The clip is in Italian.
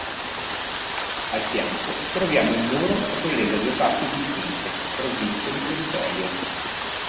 Al fianco troviamo un muro che collega due parti distinte, provvisto di feritoie.